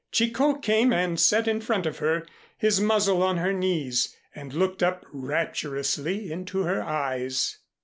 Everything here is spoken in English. Chicot came and sat in front of her, his muzzle on her knees, and looked up rapturously into her eyes.